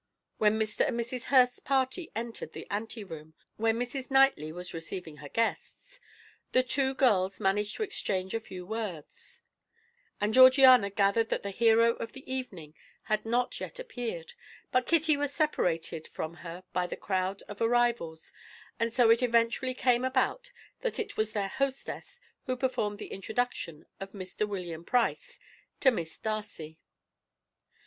When Mr. and Mrs. Hurst's party entered the ante room where Mrs. Knightley was receiving her guests, the two girls managed to exchange a few words, and Georgiana gathered that the hero of the evening had not yet appeared, but Kitty was separated from her by the crowd of arrivals, and so it eventually came about that it was their hostess who performed the introduction of Mr. William Price to Miss Darcy.